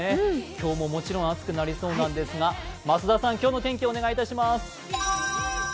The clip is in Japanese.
今日ももちろん暑くなりそうなんですが、増田さん、今日の天気お願いします